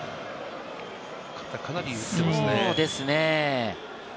かなり打っていますね。